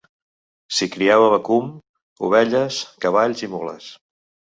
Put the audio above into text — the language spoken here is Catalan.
S'hi criava vacum, ovelles, cavalls i mules.